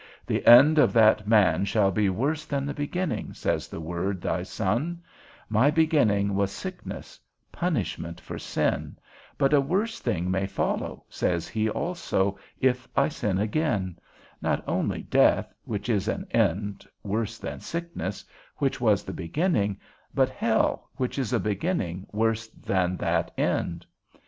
The end of that man shall be worse than the beginning, says thy Word, thy Son; my beginning was sickness, punishment for sin: but a worse thing may follow, says he also, if I sin again; not only death, which is an end worse than sickness, which was the beginning, but hell, which is a beginning worse than that end.